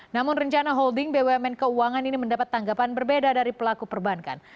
namun rencana holding bumn keuangan ini mendapat tanggapan berbeda dari pelaku perbankan